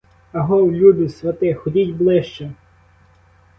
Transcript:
Агов, люди, свати, ходіть ближче!